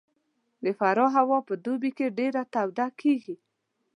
د فراه هوا په دوبي کې ډېره توده کېږي